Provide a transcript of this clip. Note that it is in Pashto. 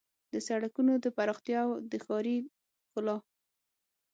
د سړکونو د پراختیا او د ښاري ښکلا